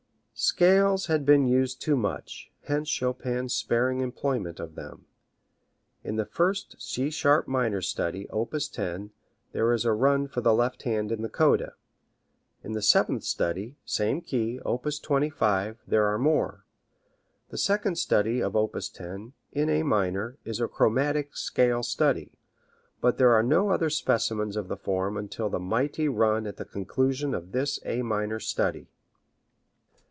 Scales had been used too much, hence Chopin's sparing employment of them. In the first C sharp minor study, op. 10, there is a run for the left hand in the coda. In the seventh study, same key, op. 25, there are more. The second study of op. 10, in A minor, is a chromatic scale study; but there are no other specimens of the form until the mighty run at the conclusion of this A minor study.